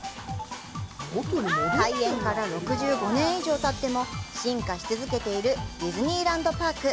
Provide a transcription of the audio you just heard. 開園から６５年以上たっても進化し続けているディズニーランド・パーク。